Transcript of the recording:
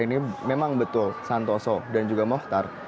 ini memang betul santoso dan juga mohtar